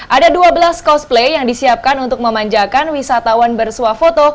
ada dua belas cosplay yang disiapkan untuk memanjakan wisatawan bersuah foto